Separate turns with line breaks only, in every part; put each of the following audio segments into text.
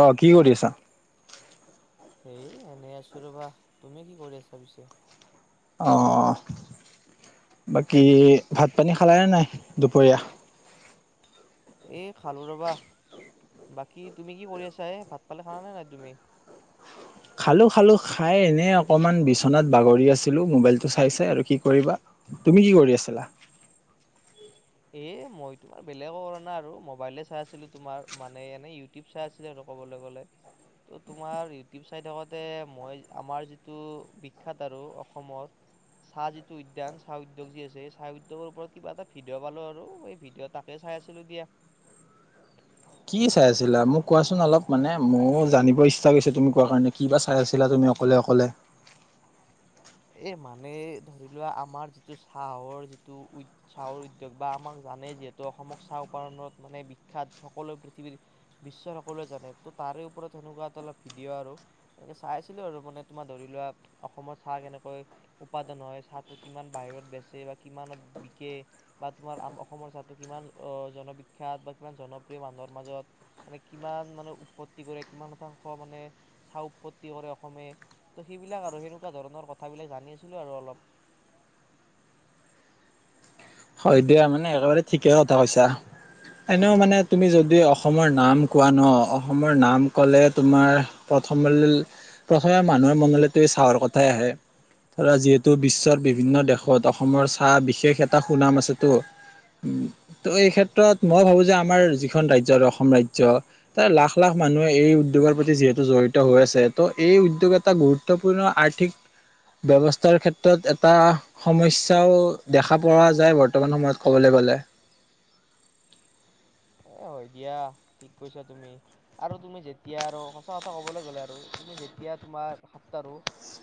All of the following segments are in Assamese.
আহ কি কৰি আছা?
সেই এনেই আছো ৰবা, তুমি কি কৰি আছা পিছে?
অ বাকী ভাত পানী খালানে নাই দুপৰীয়া?
এ খালো ৰবা, বাকী তুমি কি কৰি আছা? এই ভাত পানি খান নে নাই তুমি?
খালো-খালো খাই এনে অকণমান বিচনাত বাগৰি আছিলো মোবাইলটো চাইছে আৰু কি কৰিবা, তুমি কি কৰি আছিলা?
এ মই তোমাৰ বেলেগো কৰা নাই আৰু মোবাইলে চাই আছিলো তোমাৰ মানে এনে ইউটিউব চাই আছিলে। আৰু কবলৈ গলে ত তোমাৰ ইউটিউব চাই থাকোতে মই আমাৰ যিটো বিখ্যাত আৰু অসমত চাহ যিটো উদ্যান চাহ উদ্যোগ যি আছে চাহ উদ্যোগৰ ওপৰত কিবা এটা ভি ভিডিঅ' পালো আৰু এই ভিডিঅ' তাকে চাই আছিলো দিয়া।
কি চাই আছিলা মোক কোৱাচোন অলপ মানে মোৰ জানিব ইচ্ছা কৰিছে তুমি কোৱা কাৰণে কি বা চাই আছিলা তুমি অকলে-অকলে
এ মানে ধৰি লোৱা আমাৰ যিটো চাহৰ যিটো চাহৰ উদ্য়োগ বা আমাক জানে যিহেতু অসমক চাহ উপাদনত মানে বিখ্যাত সকলো পৃথিৱীৰ বিশ্বৰ সকলোৱে জানে ত তাৰে ওপৰত সেনেকুৱা এটা অলপ ভিডিঅ' আৰু একে চাই আছিলো আৰু মানে তোমাৰ ধৰি লোৱা অসমৰ চাহ কেনেকুৱা উপাদান হয়, চাহটো কিমান বাহিৰত বেচে বা কিমানত বিকে বা তোমাৰম অসমৰ চাহটো কিমান জনবিখ্যাত বা কিমান জনপ্ৰিয় মানুহৰ মাজত মানে কিমান মানে উৎপত্তি কৰে কিমান শতাংশ মানে চাহ উৎপত্তি কৰে অসমে ত সেইবিলাক আৰু সেনেকুৱা ধৰণৰ কথা কথাবিলাক জানি আছিলো আৰু অলপ।
হয় দিয়া মানে একেবাৰে ঠিকে কথা কৈছা। এনেও মানে তুমি যদি অসমৰ নাম কোৱা ন অসমৰ নাম কলে তোমাৰ প্ৰথম প্ৰথমে মানুহৰ মনলৈতো চাহৰ কথাই আহে ধৰা যিহেতু বিশ্বৰ বিভিন্ন দেশত অসমৰ চাহ বিশেষ এটা সুনাম আছে তো এই ক্ষেত্ৰত মই ভাবো যে আমাৰ যিখন ৰাজ্য আৰু অসম ৰাজ্য তাৰ লাখ লাখ মানুহে এই উদ্যোগৰ প্ৰতি যিহেতু জড়িত হৈ আছে ত' এই উদ্যোগতা এটা গুৰুত্বপূৰ্ণ আৰ্থিক ব্যৱস্থাৰ ক্ষেত্ৰত এটা সমস্যাও দেখা আশা প যায় বৰ্তমান সময়ত ক'বলৈ গ'লে।
এই হয় দিয়া ঠিক কৈছা তুমি আৰু তুমি যেতিয়া আৰু সঁচা কথা ক'বলৈ গ'লে আৰু তুমি যেতিয়া তোমাৰ হাতট আৰুো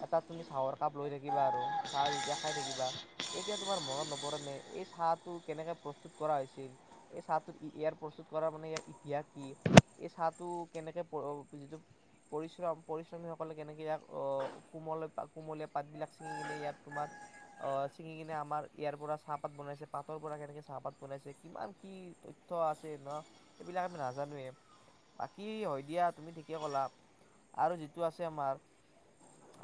এটা তুমি চাহৰ কাপ লৈ থাকিবা আৰু চাহ যেতিয়া খাই থাকিবা তেতিয়া তোমাৰ মনত নপৰেনে, এই চাহটো কেনেকৈ প্ৰস্তুত কৰা হৈছিল এই চাহটো। ইয়াৰ প্ৰস্তুত কৰাৰ মানে ইয়াৰ ইতিহাস কি এই চাহটো কেনেকৈ যিটো পৰিশ্ৰম পৰিশ্ৰমীসকলে কেনেকৈ ইয়াক কোমল কোমলীয়া পাতবিলাক ছিঙি লৈ ইয়াত তোমাৰ ছিঙি লৈ আমাৰ ইয়াৰ পৰা চাহপাত বনাইছে, পাতৰ পৰা কেনেকৈ চাহপাত বনাইছে কিমান কি তথ্য। আছে ন সেইবিলাক আমি নাজানোৱে বাকী হয় দিয়া তুমি ঠিকে ক'লা আৰু যিটো আছে আমাৰ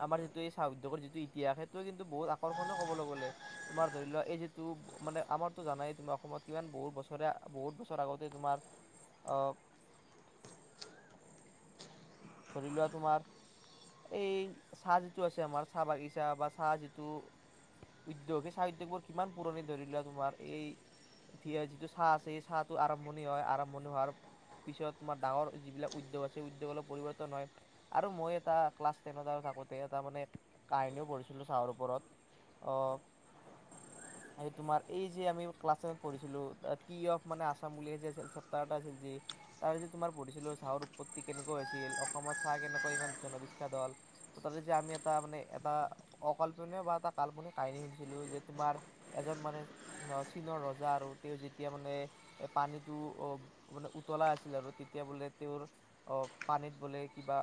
আমাৰ যিটো এই চাহ উদ্যোগৰ যিটো ইতিহাস সেইটোযে কিন্তু বহুত আকৰ্ষণে ক'বলৈ গ'লে তোমাৰ ধৰি লোৱা এই যিটো মানে আমাৰতো জানাই তুমি অসমত কিমান বহুত বছৰে। বহুত বছৰ আগতে তোমাৰ। ধৰি লোৱা তোমাৰ এই চাহ যিটো আছে আমাৰ চাহ বাগিচা বা চাহ যিটো উদ্যোগ সেই চাহ উদ্যোগট কিমান পুৰণি ধৰি লোৱা তোমাৰ এই যিটো চাহ আছে এই চাহটো আৰম্ভণি হয়। আৰম্ভণি হোৱাৰ পিছত তোমাৰ ডাঙৰ যিবিলাক উদ্যোগ আছে উদ্যোগৰ পৰিৱৰ্তন। আৰু মই এটা ক্লাছ টেনত আৰু থাকোঁতে এটা মানে কাহিনীও পঢ়িছিলোঁ চাহৰ ওপৰত এই তোমাৰ এই যে আমি ক্লাছ টেনত পঢ়িছিলোঁ টি অফ মানে আছাম বুলি আছিল চেপটাৰ এটা আছিল যি তাৰ যে তোমাৰ পঢ়িছিলো চাহৰ উৎপত্তি কেনেকুৱা হৈছিল। অসমত চাহ কেনেকুৱা ইমান জনবিখ্যাত হ'ল ত তাতে যে আমি এটা মানে এটা অকল্পনীয় বা এটা কাল্পনিক কাহিনী শুনিছিলোঁ যে তোমাৰ এজন মানে চীনৰ ৰজা আৰু তেওঁ যেতিয়া মানে পানীটো মানে উতলাই আছিল আৰু তেতিয়া বোলে তেওঁৰ পানীত বোলে। কিবা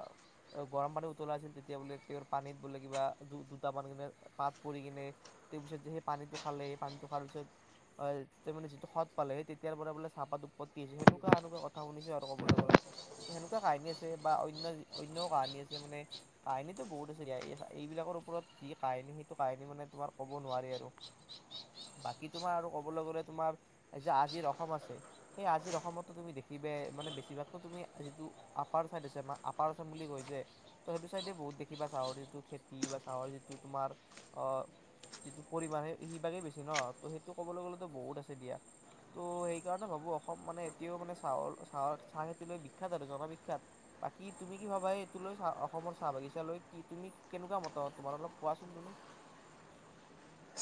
গৰম পানী উতলা আছিল তেতিয়া বোলে তেওঁৰ পানীত বোলে কিবা দু দুটামান কিনে পাত পৰি কিনে তেওঁৰ পিছত যে সেই পানীটো খালে সেই পানীটো খাৰ পিছত তেওঁ মানে যিটো সৎ পালে সেই তেতিয়াৰ পৰা বোলে চাহপাত উৎপত্তি হৈছে এনেকুৱা কথা শুনিছোঁ আৰু ক'বলৈ গ'লে এনেকুৱা কাহিনী আছে। বা অন্য অন্যও কাহানী আছে মানে কাহিনীটো বহুত আ এইবিলাকৰ ওপৰত যি কাহিনী সেইটো কাহিনী মানে তোমাৰ ক'ব নোৱাৰি আৰু বাকী তোমাৰ আৰু ক'বলৈ গ'লে তোমাৰ যে, আজিৰ অসম আছে সেই আজিৰ অসমতো তুমি দেখিবা মানে বেছিভাগত তুমি আজি আপাৰ চাইডেআছে আপাৰ আছোম বুলি কৈছে ত' সেইটো চাইডেই বহুত দেখিবা চাহৰ যিটো খেতি বা চাহৰ যিটো তোমাৰ যিটো পৰিমাণ সেই সেইভাগেই বেছি ন, সেইটো ক'বলৈ গ'লেতো বহুত আছে দিয়া সেইকাৰণে ভাবোঁ অসম মানে এতিয়াও মানে চাহৰ চাহৰ চাহ খেতি লৈ বিখ্যাত আৰু জনবিখ্যাত। বাকী তুমি কি ভাবা এইটো লৈ চাহ অসমৰ চাহ বাগিচা লৈ কি তুমি কেনেকুৱা মতা তোমাৰ অলপ কোৱাচোন তুমি।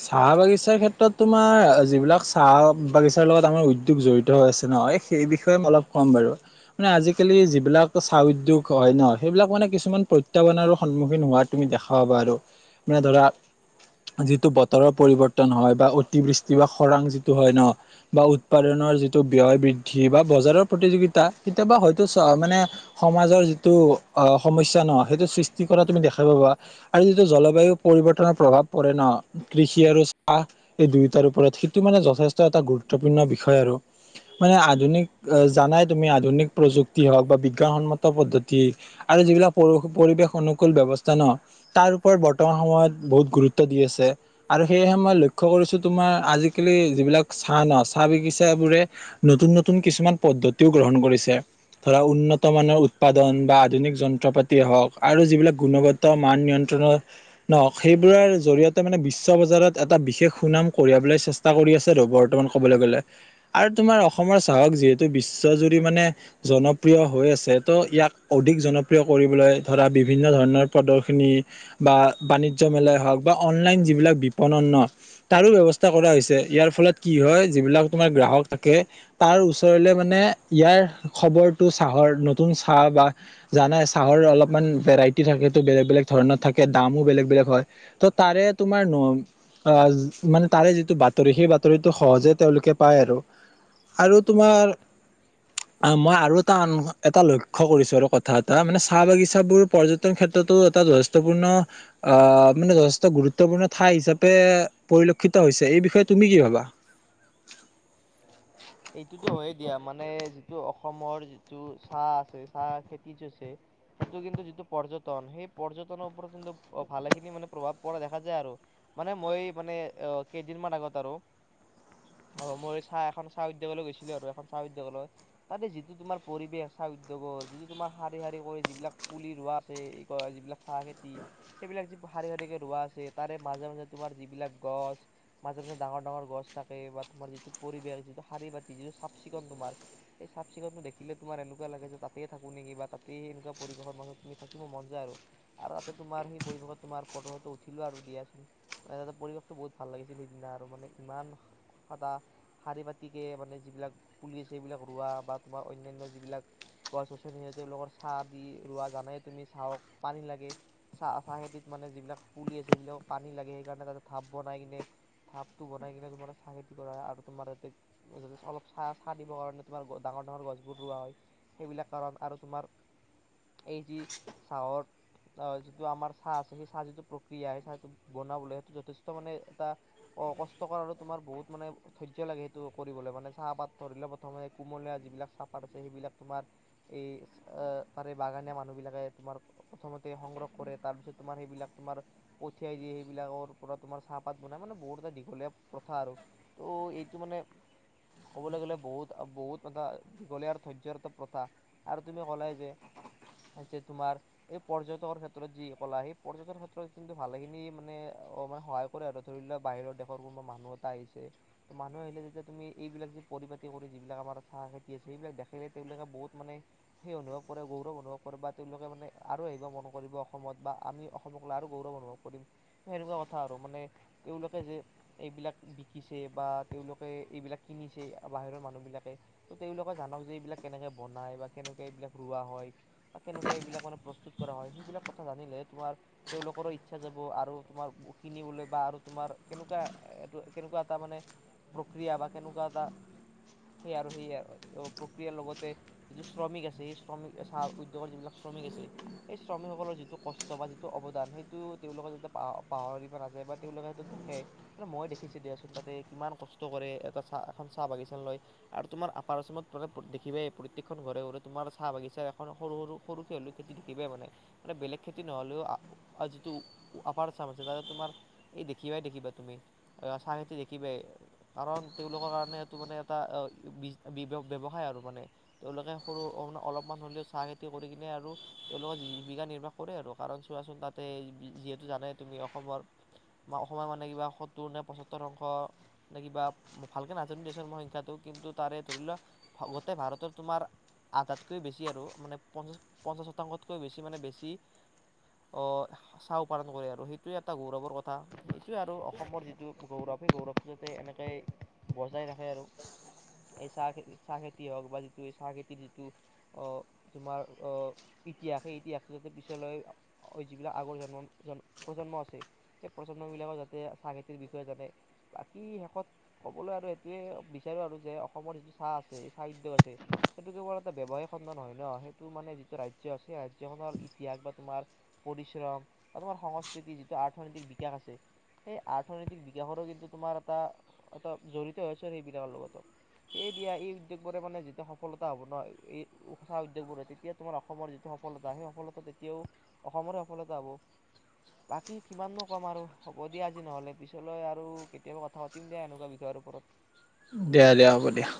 চাহ বাগিচাৰ ক্ষেত্ৰত তোমাৰ যিবিলাক চাহ বাগিছাৰ লগত আমাৰ উদ্যোগ জড়িত হৈ আছে ন সেই বিষয়ে ম অলপ ক'ম বাৰু মনে আজিকালি যিবিলাক চাহ উদ্যোগ হয় ন সেইবিলাক মানে কিছুমান প্ৰত্যহ্বানো সন্মুখীন হোৱা তুমি দেখা পাবা আৰু মানে ধৰা যিটো। বতৰৰ পৰিৱৰ্তন হয় বা অতিবৃষ্টি বা খৰাং যিটো হয় ন বা উৎপাদনৰ যিটো ব্যয় বৃদ্ধি বা বজাৰৰ প্ৰতিযোগিতা কেতিয়াবা হয়তো মানে সমাজৰ যিটো সমস্যা ন সেইটো সৃষ্টি কৰা তুমি দেখা পাৱা আৰু যিটো জলবায়ু পৰিৱৰ্তনৰ প্ৰভাৱ পৰে ন। কৃষি আৰু চাহ এই দুয়োটাৰ ওপৰত সেইটো মানে যথেষ্ট এটা গুৰুত্বপূৰ্ণ বিষয় আৰু মানে আধুনিক জানাই তুমি আধুনিক প্ৰযুক্তি হওক বা বিজ্ঞানসন্মত পদ্ধতি আৰু যিবিলাক পৰিৱেশ অনুকূুল ব্যবস্থা ন তাৰ ওপৰত বৰ্তমান সময়ত বহুত গুৰুত্ব দি আছে। আৰু সেয়েহে মই লক্ষ্য কৰিছো তোমাৰ আজিকালি যিবিলাক চাহ ন চাহ বাগিচাবোৰে নতুন নতুন কিছুমান পদ্ধতিও গ্ৰহণ কৰিছে। ধৰা উন্নত মানৰ উৎপাদন বা আধুনিক যন্ত্ৰ পাতিয় হওক আৰু যিবিলাক গুণগত মান নিয়ন্ত্ৰণ নওক সেইবোৰৰ জৰিয়তে। মানে বিশ্ব বজাৰত এটা বিশেষ সুনাম কঢ়িয়াবলৈ চেষ্টা কৰি আছে ৰ বৰ্তমান ক'বলৈ গ'লে আৰু তোমাৰ অসমৰ চাহক যিহেতু বিশ্বজুৰি মানে জনপ্ৰিয় হৈ আছে ট ইয়াক অধিক জনপ্ৰিয়। কৰিবলৈ ধৰা বিভিন্ন ধৰণৰ প্ৰদৰ্শিনী বা বাণিজ্য মেলাই হওওঁক বা অনলাইন যিবিলাক বিপণন তাৰো ব্যৱস্থা কৰা হৈছে ইয়াৰ ফলত কি হয় যিবিলাক তোমাৰ গ্ৰাহক থাকে তাৰ ওচৰলৈ মানে ইয়াৰ খবৰটো চাহৰ নতুন চাহ বা জানাই চাহৰ অলপমান ভেৰাইটি থাকে বেলেগ বেলেগ ধৰণৰ থাকে দামো বেলেগ বেলেগ হয়। তাৰে তোমাৰ মানে তাৰে যিটো বাতৰি সেই বাতৰিটো সহজে তেওঁলোকে পায় আৰু আৰু তোমাৰ মই আৰু এটা এটা লক্ষ্য কৰিছো আৰু কথা এটা মানে চাহ বাগিচাবোৰ পৰ্যটন ক্ষেত্ৰতো এটা যথেষ্টপূৰ্ণ মানে। গুৰুত্বপূৰ্ণ ঠাই হিচাপে পৰিলক্ষিত হৈছে এই বিষয়ে তুমি কি ভাবা।
সেইটোতো হয়য়ে দিয়া মানে যিটো অসমৰ যিটো চাহ আছে চাহ খেতিটো আছে সেইটো কিন্তু যিটো পৰ্যটন সেই পৰ্যটনৰ ওপৰত কিন্তু ভালেখিনি মানে প্ৰভাৱ পৰা দেখা যায় আৰু মানে মই মানে কেইদিন মান আগত আৰু মই চাহ এখন। চাহ উদ্যোগলৈ গৈছিলে আৰু এখন চাহ উদ্যোগলৈ যিটো তোমাৰ পৰিৱেশ চাহ উদ্যোগৰ যিটো তোমাৰ শাৰী শাৰী কৰি যিবিলাক পুলি ৰোৱা আছে যিবিলাক চাহ খেতি সেইবিলাক যি শাৰী শাৰীকে ৰোৱা আছে তাৰে মাজে মাজে তোমাৰ যিবিলাক গছ মাজে মাজে ডাঙৰ ডাঙৰ গছ থাকে বা তোমাৰ যিটো পৰিৱেশ যিটো। শাৰী বাতি যিটো চাফ চিকুণ তোমাৰ সেই চাফ চিকুণটো দেখে তোৰ এনেকুৱা লাগে যে তাতেই থাকোঁ নেকি বা তাতেই এনেকুৱা পৰিৱেশৰ মানুহ তুমি থাকিব মন যায় আৰু তাতে তোমাৰ সেই পৰিৱেশত তোমাৰ ফটো উঠিলোঁ আৰু দিয়াচোন মানে তাতে পৰিৱেশটো বহুত ভাল লাগিছিল সেইদিনা আৰু মানে ইমান শাৰী পাতি। গতিকে মানে যিবিলাক পুলি আছে সেইবিলাক ৰোৱা বা তোমাৰ অন্যান্য যিবিলাক গছ গছনি আছে তেওঁলোকৰ চাহ দি ৰোৱা জানাই তুমি চাহক পানী লাগে চাহ চাহখেতিত মানে যিবিলাক পুলি আছে সেইবিলাকক পানী লাগে সেইকাৰণে তাতে ঢাপ বনাই কিনে ঢাপটো বনাই কিনে তোমাৰ চাহ খেতি কৰা হয় আৰু তোমাৰ তাতে। অলপ চাহ চাহ দিবৰ কাৰণে তোমাৰ ডাঙৰ ডাঙৰ গছবোৰ ৰোৱা হয় সেইবিলাক কাৰণ আৰু তোমাৰ এই যি চাহৰ যিটো আমাৰ চাহ আছে সেই চাহ যিটো প্ৰক্ৰিয়া চাহটো বনাবলৈ সেইটো যথেষ্ট মানে এটা অ কষ্টকৰ আৰু তোমাৰ বহুত মানে ধৈৰ্য লাগে সেই। তো কৰিবলৈ মানে চাহপাত ধৰিলে প্ৰথমে কুমলীয়া যিবিলাক চাহপাত আছে সেইবিলাক তোমাৰ এই তাৰে বাগানীয়া মানুহবিলাকে তোমাৰ প্ৰথমতে সংগ্ৰহ কৰে তাৰপিছত তোমাৰ সেইবিলাক তোমাৰ পঠিয়াই দিয়ে। সেইবিলাকৰ পৰা তোমাৰ চাহপাত বনাই মানে বহুত এটা দীঘলীয়া প্ৰথা আৰু এইটো মানে। ক'বলৈ গলে বহুত বহুত এটা দীঘলীয়া আৰু ধৈৰ্যৰটা প্ৰথা আৰু তুমি ক'লা যে, তোমাৰ এই পৰ্যটকৰ ক্ষেত্ৰত যি ক'লা সেই পৰ্যটনৰ ক্ষেত্ৰত কিন্তু ভালেখিনি মানে সহায় কৰে আৰু ধৰি লওক বাহিৰৰ দেশৰ কোনোবা মানুহ এটা আহিছে মানুহ আহিলে যেতিয়া। তুমি এইবিলাক যি পৰিপাতি কৰি যিবিলাক আমাৰ চাহ খেতি আছে সেইবিলাক দেখে তেওঁলোকে বহুত মানে সেই অনুভৱ কৰে গৌৰৱ অনুভৱ কৰে বা তেওঁলোকে মানে আৰু আহিব মন কৰিব অসমত বা আমি অসমক লৈ আৰু গৌৰৱ অনুভৱ কৰিম। তেনেকুৱা কথা আৰু মানে তেওঁলোকে যে এইবিলাক শিকিছে বা তেওঁলোকে। এইবিলাক কিনিছেই বাহিৰৰ মানুহবিলাকে। তেওঁলোকে জানক যে এইবিলাক কেনেকৈ বনায় বা কেনেকৈ এইবিলাক ৰোৱা হয় বা কেনেকুৱা এইবিলাক মানে প্ৰস্তুত কৰা হয় সেইবিলাক কথা জানিলে তোমাৰ তেওঁলোকৰো ইচ্ছা যাব। আৰু তোমাৰ কিনিবলৈ বা আৰু তোমাৰ কেনেকুৱা এইটো কেনেকুৱা এটা মানে। প্ৰক্ৰিয়া বা কেনেকুৱা এটা সেই আৰু সেই প্ৰক্ৰিয়াৰ লগতে যিটো শ্ৰমিক আছে, সেই শ্ৰমিক চাহ উদ্যোগৰ যিবিলাক শ্ৰমিক আছে, সেই শ্ৰমিকসকলৰ যিটো কষ্ট বা যিটো অৱদান সেইটো তেওঁলোকে যাতে পাহৰি নাযায় বা তেওঁলোকে সেইটো দেখে মানে মই দেখিছে দিয়া চোন তাতে কিমান কষ্ট। কৰে এটা চাহ এখন চাহ বাগিচা লয় আৰু তোমাৰ আপাৰ অসমত মানে দেখিবাই প্ৰত্যেকখন ঘৰে ঘৰে তোমাৰ চাহ বাগিচা এখন সৰু সৰু সৰুকে হ'লেও খেতি দেখিবাই। মানে বেলেগ খেতি নহ'লেও যিটো আপাৰ অসম আছে তা তোমাৰ এই দেখিবাই দেখিবা তুমি চাহ খেতি দেখিবাই। কাৰণ তেওঁলোকৰ কাৰণে সেটো মানে এটা ব্যৱসায় আৰু মানে তেওঁলোকে সৰু অলপমান হ'লেও চাহ খেতি কৰি আৰু তেওঁলোকে জীৱিকা নিৰ্বাহ কৰে। আৰু কাৰণ চোৱাচোন তাতে যিহেতু জানে তুমি অসমৰ বা অসমৰ মানে কিবা সত্তৰ নে পঁয়সত্তৰ অংশ। নে কিবা ভালকে নাজানো দেশৰ মোৰ সংখ্যাটো কিন্তু তাৰে ধৰি লোৱা গোটেই ভাৰতৰ তোমাৰ আধাতকৈ বেছি আৰু মানে পঞ্চাছ পঞ্চাছ শতাংশতকৈ বেছি মানে বেছি হ চাহ উপাদন কৰে আৰু সেইটোৱে এটা গৌৰৱৰ কথা। সেইটোৱে আৰু অসমৰ যিটো গৌৰৱ সেই গৌৰৱটো। এনেকে বজাই ৰাখে আৰু এই চাহ খেতি চাহ খেতি হওক বা যিটো চাহ খেতিৰ যিটো তোমাৰ অ ইতিহাস সেই ইতিহাসটো যাতে পিছলৈ যিবিলাক আগৰ জন্ম প্ৰজন্ম আছে সেই প্ৰজন্মবিলাকৰ যাতে চাহ খেতিৰ বিষয়ে জানে। কি শেষত ক'বলৈ আৰু এইেইটোৱে বিচাৰো আৰু যে অসমৰ যিটো। চাহ আছে, ইচ্ছাদ আছে। সেইটো কেৱল এটা ব্যৱসায়িক খণ্ড নহয় ন। সেইটো মানে যিটো ৰাজ্য সেই ৰাজ্যখনৰ ইতিহাস বা তোমাৰ পৰিচয় হওঁক, তোমাৰ সংস্কৃতি যিটো অৰ্থনৈতিক বিকাশ আছে সেই অৰ্থনৈতিক বিকাশৰো কিন্তু তোমাৰ। অ এটা জড়িত আছে। সেইবিলাকৰ লগত। এই দিয়া এই। মানে যেতিয়া সফলতা হ'ব নহয় এই উঠি অহা উদ্যোগবোৰে তেতিয়া তোমাৰ অসমৰ যিটো সফলতা সেই সফলতা তেতিয়াও অসমৰে সফলতা হ'ব। বাকী কিমান নো ক'ম আৰু হ'ব দিয়া আজি নহ'লে, পিছলৈ আৰু। কেতিয়াবা কথা পাতিম দিয়া এনেকুৱা বিষয়ৰ ওপৰত।
দিয়া দিয়া হ'ব দিয়া।